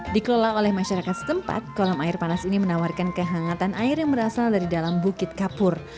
dikelola oleh masyarakat setempat kolam air panas ini menawarkan kehangatan air yang berasal dari dalam bukit kapur